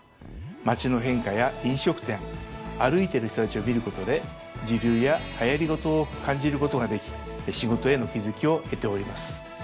街の変化や飲食店歩いてる人たちを見ることで時流やはやり事を感じることができ仕事への気付きを得ております。